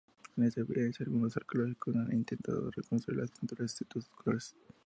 De esta evidencia, algunos arqueólogos han intentado reconstruir las pinturas, excepto sus colores.